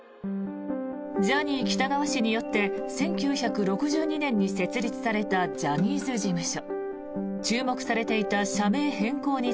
ジャニー喜多川氏によって１９６２年に設立されたジャニーズ事務所。